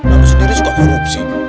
aku sendiri suka korupsi